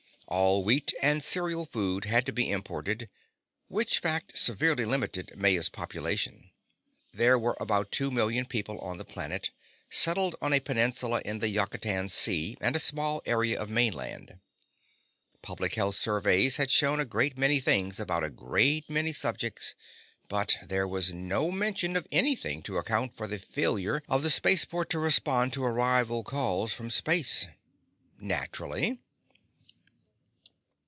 All wheat and cereal food had to be imported, which fact severely limited Maya's population. There were about two million people on the planet, settled on a peninsula in the Yucatan Sea and a small area of mainland. Public health surveys had shown a great many things about a great many subjects ... but there was no mention of anything to account for the failure of the spaceport to respond to arrival calls from space. Naturally!